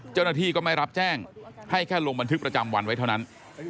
เจ้าหน้าที่ก็ไม่รับแจ้งให้แค่ลงบันทึกประจำวันไว้เท่านั้น